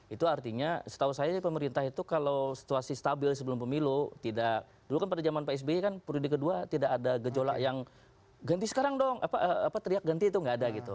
itu artinya setahu saya pemerintah itu kalau situasi stabil sebelum pemilu kan pada zaman pak sby kan periode kedua tidak ada gejolak yang ganti sekarang dong teriak ganti itu nggak ada gitu